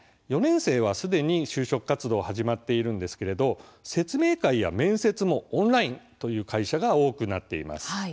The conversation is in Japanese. ４年生はすでに就職活動が始まっているんですけれど説明会や面接もオンラインという会社が多くなっています。